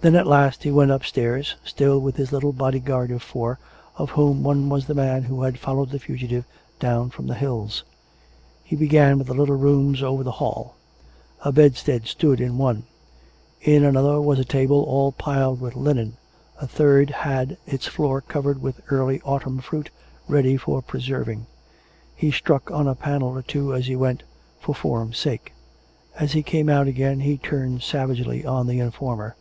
Then at last he went upstairs, still with his little body guard of four, of whom one was the man who had followed the fugitive down from the hills. He began with the little rooms over the hall: a bedstead stood in one; in another was a table all piled with linen; a third had its floor covered with early autumn fruit, ready for preserving. He struck on a panel or two as he went, for form's sake. As he came out again he turned savagely on the informer.